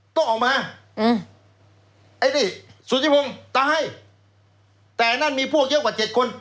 ต้องออกมาอืมไอ้นี่สุธิพงศ์ตายแต่นั่นมีพวกเยอะกว่าเจ็ดคน